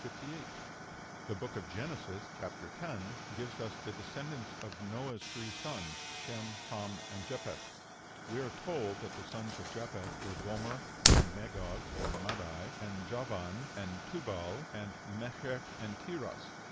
58.) The Book of Genesis (chap. x.) gives us the descendants of Noah's three sons, Shem, Ham, and Japheth. We are told that the sons of Japheth were Gomer, and Magog, and Madai, and Javan, and Tubal, and Meshech, and Tiras.